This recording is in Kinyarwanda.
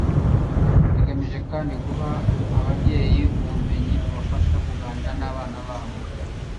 rigamije kandi guha ababyeyi ubumenyi bubafaha kuganira n abana babo